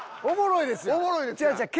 おもろいですやん。